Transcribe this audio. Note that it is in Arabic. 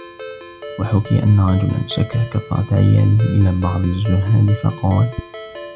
وَحُكِيَ أَنَّ رَجُلًا شَكَا كَثْرَةَ عِيَالِهِ إلَى بَعْضِ الزُّهَّادِ فَقَالَ